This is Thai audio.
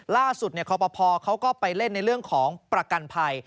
ล่าสุดเค้าประพอบไปเล่นในเรื่องของประกันภัย